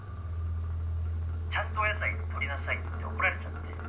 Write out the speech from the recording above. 「ちゃんとお野菜とりなさいって怒られちゃって」